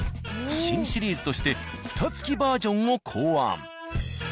新シリーズとして蓋つきバージョンを考案。